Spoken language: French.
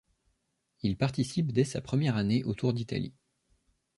Il participe dès sa première année au Tour d'Italie.